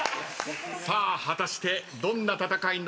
さあ果たしてどんな戦いになるのか。